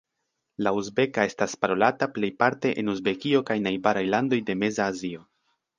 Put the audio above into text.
La uzbeka estas parolata plejparte en Uzbekio kaj najbaraj landoj de Meza Azio.